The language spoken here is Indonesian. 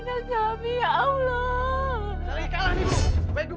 jangan berani jangan berani menjauh